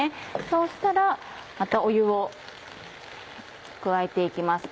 そうしたらまた湯を加えて行きます。